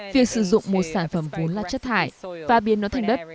việc sử dụng một sản phẩm vốn là chất thải và biến nó thành đất